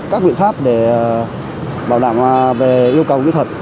các biện pháp để bảo đảm về yêu cầu kỹ thuật